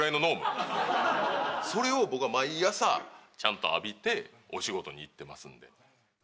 それを僕は毎朝ちゃんと浴びてお仕事に行ってますんで。